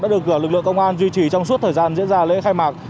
đã được lực lượng công an duy trì trong suốt thời gian diễn ra lễ khai mạc